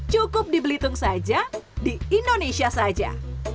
cukup di belitung saja di indonesia saja